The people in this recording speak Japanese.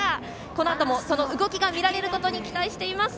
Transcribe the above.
このあともその動きが見られることに期待しています。